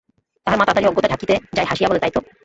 তাহার মা তাড়াতাড়ি অজ্ঞতা ঢাকিতে যায়, হাসিয়া বলে, তাই তো!